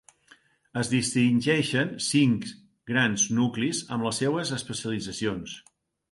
Es distingeixen cinc grans nuclis amb les seues especialitzacions.